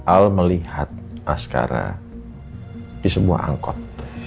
al melihat ascara di sebuah angkot